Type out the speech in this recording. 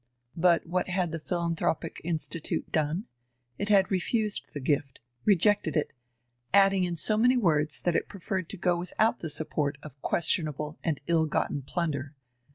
But what had the philanthropic institute done? It had refused the gift, rejected it adding in so many words that it preferred to go without the support of questionable and ill gotten plunder.